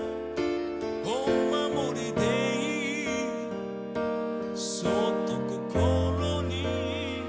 「お守りでいいそっと心に」